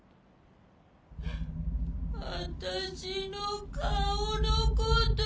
私の顔の事！？